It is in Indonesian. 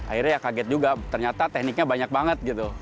akhirnya ya kaget juga ternyata tekniknya banyak banget gitu